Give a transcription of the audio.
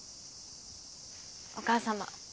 お母様。